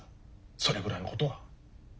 それぐらいのことは。